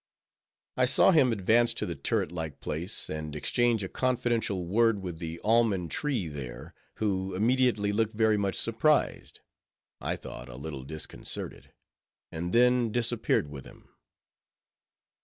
I saw him advance to the turret like place, and exchange a confidential word with the almond tree there, who immediately looked very much surprised,—I thought, a little disconcerted,—and then disappeared with him.